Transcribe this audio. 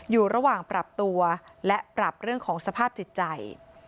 อยู่ระหว่างปรับตัวและปรับเรื่องของสภาพจิตใจ